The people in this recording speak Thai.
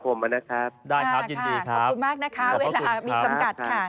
ขอบคุณครับในเวลามีจำกัด